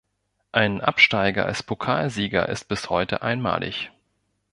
Ein Absteiger als Pokalsieger ist bis heute einmalig.